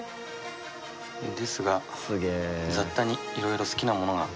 ですが雑多にいろいろ好きなものが混ざってますね。